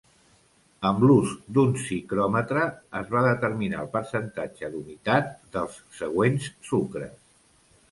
Amb l'ús d'un psicròmetre es va determinar el percentatge d'humitat dels següents sucres.